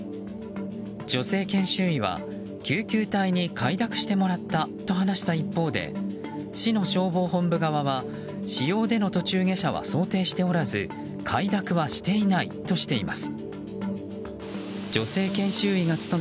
女性研修医は救急隊に快諾してもらったと話した一方で市の消防本部側は私用での途中下車は想定しておらず快諾はしていないとしています。